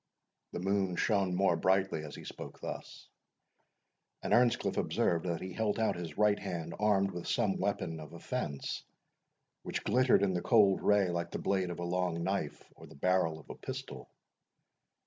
The moon shone more brightly as he spoke thus, and Earnscliff observed that he held out his right hand armed with some weapon of offence, which glittered in the cold ray like the blade of a long knife, or the barrel of a pistol.